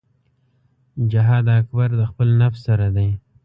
جهاد اکبر د خپل نفس سره دی .